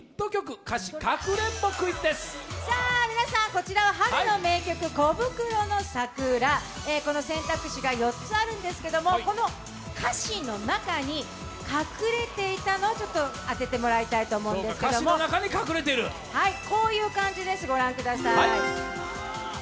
こちらは春の名曲、コブクロの「桜」選択肢が４つあるんですけど、この歌詞の中に隠れていたものを当てていただきたいんですけれども、こういう感じです、ご覧ください。